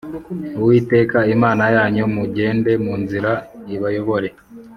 uwiteka imana yanyu mugende mu nzira ibayobore